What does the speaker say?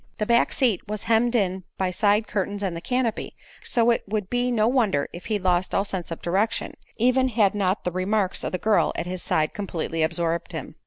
The back seat was hemmed in by side curtains and the canopy, so it would be no wonder if he lost all sense of direction, even had not the remarks of the girl at his side completely absorbed him.